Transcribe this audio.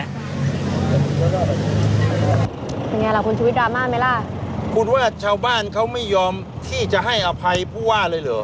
เป็นไงล่ะคุณชุวิตดราม่าไหมล่ะคุณว่าชาวบ้านเขาไม่ยอมที่จะให้อภัยผู้ว่าเลยเหรอ